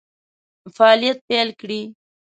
فعالیت پیل کړي.